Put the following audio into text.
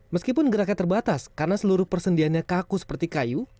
meskipun geraknya terbatas karena seluruh persendiannya kaku seperti kayu